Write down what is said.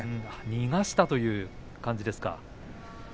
逃がしたという感じですか。